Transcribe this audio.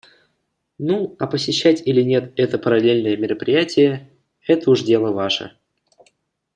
Ну а посещать или нет это параллельное мероприятие — это уж дело ваше.